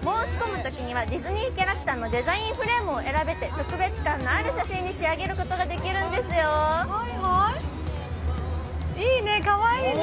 申し込むときにはディズニーキャラクターのデザインフレームを選べて特別感のある写真に仕上げることができるんですよいいね、かわいいね。